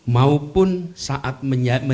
maupun saat menjadi penyelidikan